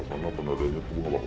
karena pendadanya itu tidak pernah mau